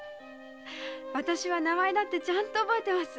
私は名前だってちゃんと覚えてます。